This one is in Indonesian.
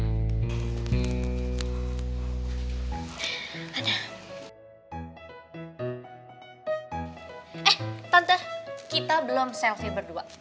tante kita belum selfie berdua